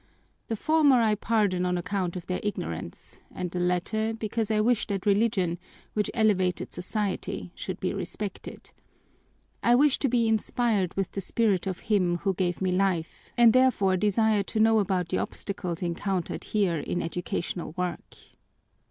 The former I pardon on account of their ignorance and the latter because I wish that Religion, which elevated society, should be respected. I wish to be inspired with the spirit of him who gave me life and therefore desire to know about the obstacles encountered here in educational work."